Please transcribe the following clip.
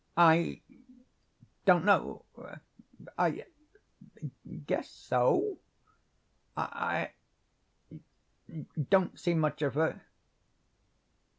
"I don't know, I guess so. I don't see much of her."